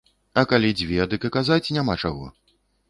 А калі дзве, дык і казаць няма чаго.